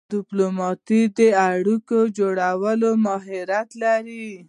ډيپلومات د اړیکو جوړولو مهارت لري.